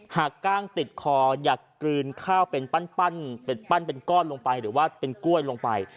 กล้างติดคออยากกลืนข้าวเป็นปั้นเป็นก้อนลงไปหรือว่าเป็นกล้วยลงไป